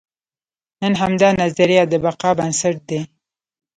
نن همدا نظریه د بقا بنسټ دی.